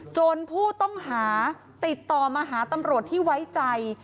ผู้ต้องหาติดต่อมาหาตำรวจที่ไว้ใจ